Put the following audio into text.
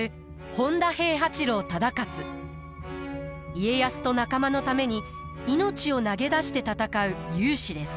家康と仲間のために命を投げ出して戦う勇士です。